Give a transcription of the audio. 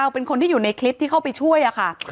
เป็นคนที่อยู่ในคลิปที่เข้าไปช่วยค่ะ